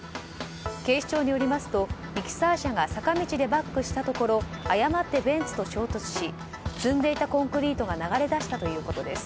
警視庁によりますとミキサー車が坂道でバックしたところ誤ってベンツと衝突し積んでいたコンクリートが流れ出したということです。